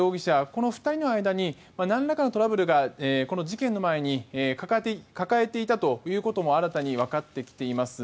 この２人の間になんらかのトラブルがこの事件の前に抱えていたということも新たにわかってきています。